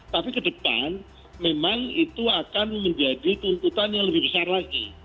tapi ke depan memang itu akan menjadi tuntutan yang lebih besar lagi